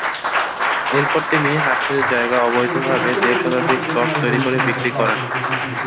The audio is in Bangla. এরপর তিনি হাটের জায়গা অবৈধভাবে দেড় শতাধিক প্লট তৈরি করে বিক্রি করেন।